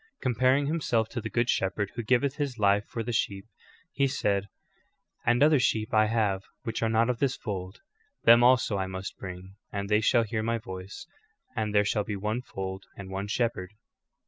Com paring Himself to the good shepherd vrho giveth his life for the sheep, He said : "And other sheep I have which are not of this fold ; them also I must bring, and they shall hear my voice, and there shall be one fold and one shepherd."'